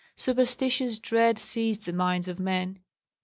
Superstitious dread seized the minds of men.